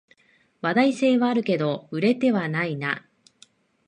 話題性はあるけど売れてはないな